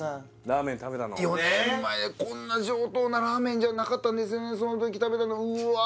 ラーメン食べたの４年前こんな上等なラーメンじゃなかったんですよねその時食べたのうわうわ！